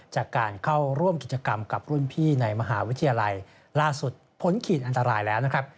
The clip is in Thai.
จากการเข้าร่วมกิจกรรมกับรุ่นพี่ในมหาวิทยาลัยล่าสุดพ้นขีดอันตรายแล้วนะครับ